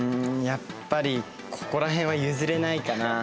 やっぱりここら辺は譲れないかな。